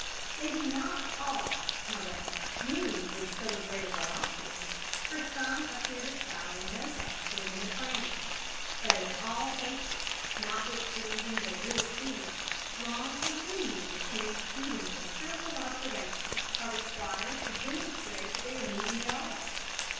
They do not all, however, move with so great a velocity, for some appear to travel no faster than the planets. But in all cases, notwithstanding their real speed, long continued and exceedingly careful observations are required to demonstrate that they are moving at all.